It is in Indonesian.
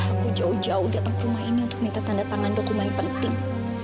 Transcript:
aku jauh jauh datang ke rumah ini untuk minta tanda tangan dokumen penting